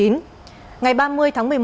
ngày ba mươi tháng một mươi một